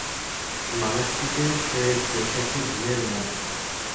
মানুষটিকে সে দেখছে ঘুমের মধ্যে?